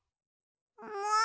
もう！